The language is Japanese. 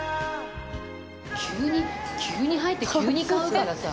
急に急に入って急に買うからさ。